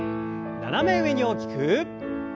斜め上に大きく。